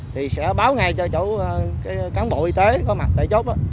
thì sẽ báo ngay cho chỗ cán bộ y tế có mặt tại chốt